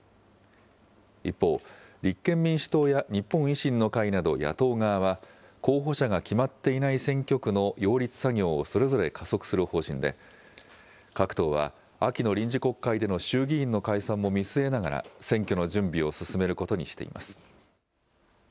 一方、立憲民主党や日本維新の会など野党側は、候補者が決まっていない選挙区の擁立作業をそれぞれ加速する方針で、各党は秋の臨時国会での衆議院の解散も見据えながら、選挙の準備を進めることにしています。